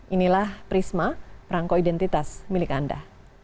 inilah prisma perangko identitas milik anda